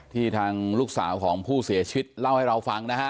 ทางลูกสาวของผู้เสียชีวิตเล่าให้เราฟังนะฮะ